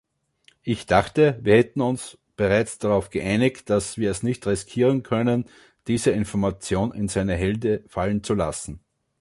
Ich dachte, wir hätten uns bereits darauf geeinigt, dass wir es nicht riskieren können, diese Information in seine Hände fallen zu lassen.